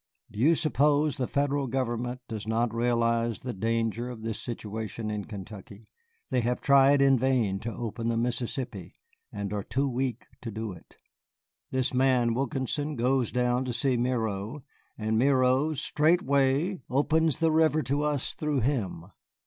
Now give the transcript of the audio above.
Do you suppose the Federal government does not realize the danger of this situation in Kentucky. They have tried in vain to open the Mississippi, and are too weak to do it. This man Wilkinson goes down to see Miro, and Miro straightway opens the river to us through him.